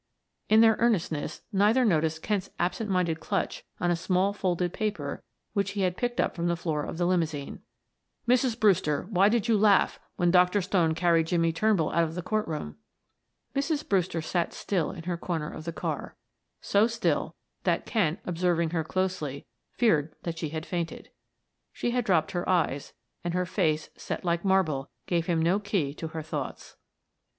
In their earnestness neither noticed Kent's absent minded clutch on a small folded paper which he had picked up from the floor of the limousine. "Mrs. Brewster, why did you laugh when Dr. Stone carried Jimmie Turnbull out of the court room?" Mrs. Brewster sat still in her corner of the car; so still that Kent, observing her closely, feared that she had fainted. She had dropped her eyes, and her face, set like marble, gave him no key to her thoughts.